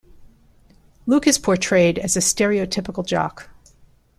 Luke is portrayed as a stereotypical jock.